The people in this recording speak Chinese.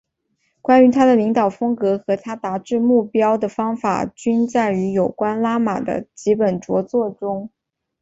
关于他的领导风格和他达至目标的方法均载于有关拉玛的几本着作中。